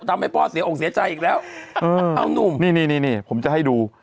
ทำให้พ่อเสียอกเสียใจอีกแล้วเออเอานุ่มนี่นี่ผมจะให้ดู